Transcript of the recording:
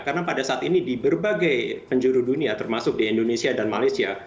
karena pada saat ini di berbagai penjuru dunia termasuk di indonesia dan malaysia